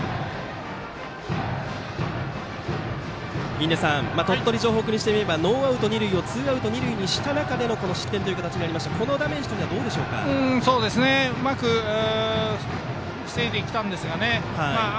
印出さん、鳥取城北にしてみればノーアウト二塁をツーアウト二塁にした中で失点という形になりましたがうまく防いできたんですがね。